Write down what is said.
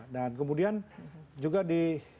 dan kemudian juga di